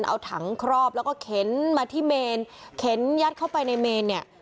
เอาถังครอบแล้วก็เข็นมาที่เมนเข็นยัดเข้าไปในเมนเนี่ย